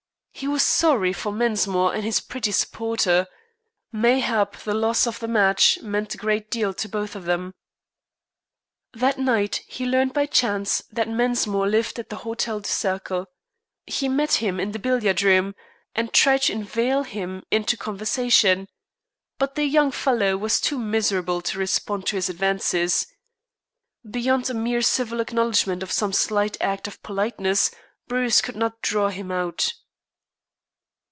He was sorry for Mensmore and his pretty supporter. Mayhap the loss of the match meant a great deal to both of them. That night he learned by chance that Mensmore lived at the Hotel du Cercle. He met him in the billiard room and tried to inveigle him into conversation. But the young fellow was too miserable to respond to his advances. Beyond a mere civil acknowledgement of some slight act of politeness, Bruce could not draw him out.